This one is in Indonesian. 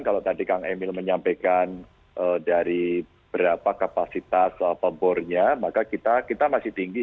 kalau tadi kang emil menyampaikan dari berapa kapasitas bornya maka kita masih tinggi